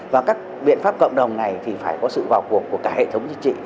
và các biện pháp cộng đồng này thì phải có sự vào cuộc của cả hệ thống chính trị